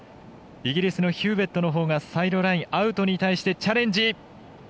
イギリスのヒューウェットがサイドライン、アウトに対してチャレンジ。